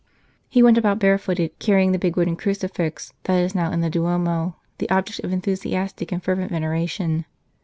He went about bare footed, carrying the big wooden crucifix that is now in the Duomo, the object of enthusiastic and fervent veneration.